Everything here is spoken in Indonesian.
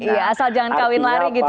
iya asal jangan kawin lari gitu ya